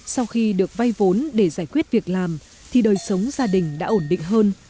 sau khi được vay vốn để giải quyết việc làm thì đời sống gia đình đã ổn định hơn